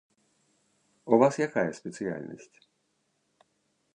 У вас якая спецыяльнасць?